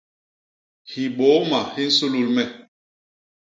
Hibôôma hi nsulul me.